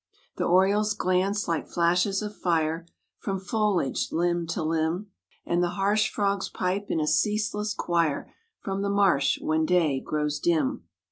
The orioles glance like flashes of fire From foliaged limb to limb, And the harsh frogs pipe in a ceaseless choir From the marsh, when day grows dim.